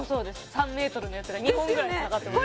３ｍのやつが２本ぐらいつながってます